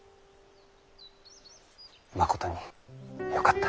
まことによかった。